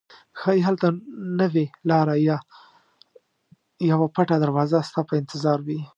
ښایي هلته نوې لاره یا یوه پټه دروازه ستا په انتظار وي.